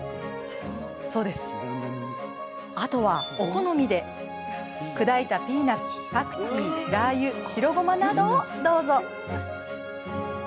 あとはお好みで砕いたピーナツ、パクチーラーユ、白ごまなどをどうぞ。